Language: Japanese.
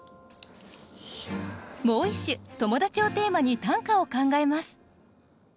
もう一首「友達」をテーマに短歌を考えます。